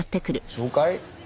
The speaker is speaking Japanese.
紹介？